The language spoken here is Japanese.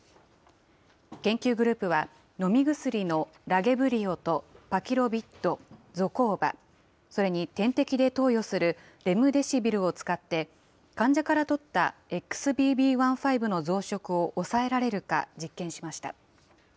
研究グループは、飲み薬のラゲブリオとパキロビッド、ゾコーバ、それに点滴で投与するレムデシビルを使って、患者から取ったＸＢＢ．１．５の増殖を抑えられるか実験しました。